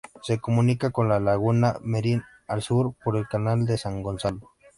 Se comunica con la laguna Merín, al sur, por el canal de San Gonzalo.